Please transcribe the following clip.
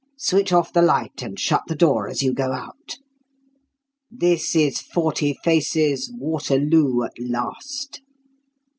"Switch off the light, and shut the door as you go out. This is 'Forty Faces'' Waterloo at last."